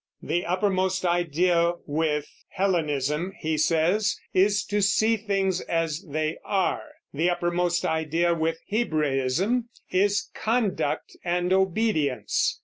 "The uppermost idea with. Hellenism," he says, "is to see things as they are; the uppermost idea with Hebraism is conduct and obedience."